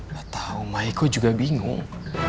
gak tau ma iko juga bingung